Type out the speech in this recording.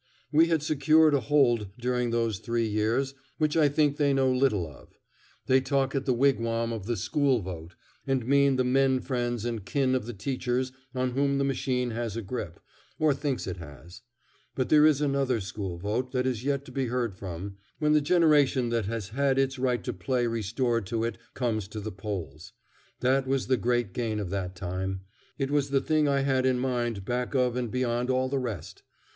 We had secured a hold during those three years which I think they little know of. They talk at the Wigwam of the "school vote," and mean the men friends and kin of the teachers on whom the machine has a grip, or thinks it has; but there is another school vote that is yet to be heard from, when the generation that has had its right to play restored to it comes to the polls. That was the great gain of that time. It was the thing I had in mind back of and beyond all the rest.